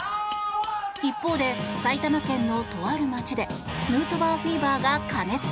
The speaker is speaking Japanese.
一方で、埼玉県のとある街でヌートバーフィーバーが過熱。